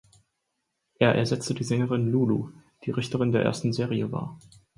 Er ersetzte die Sängerin Lulu, die Richterin der ersten Serie war.